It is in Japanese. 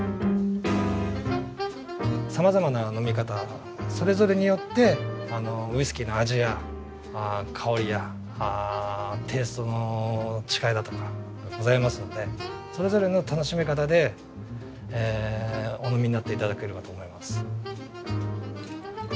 さまざまな飲み方それぞれによってウイスキーの味や香りやテイストの違いだとかございますのでそれぞれの楽しみ方でお飲みになって頂けるかと思います。